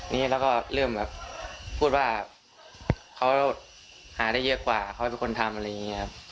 นี่แล้วก็เริ่มแบบพูดว่าเขาหาได้เยอะกว่าเขาเป็นคนทำอะไรอย่างนี้ครับ